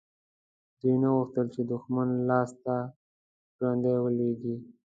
دوی نه غوښتل چې د دښمن لاسته ژوندي ولویږي.